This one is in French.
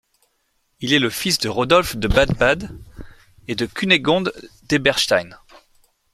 Il est le fils de Rodolphe de Bade-Bade et de Cunégonde d'Eberstein.